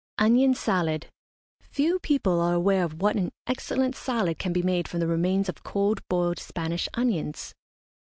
ONION SALAD. Few people are aware of what an excellent salad can be made from the remains of cold boiled Spanish onions.